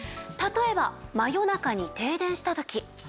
例えば真夜中に停電した時。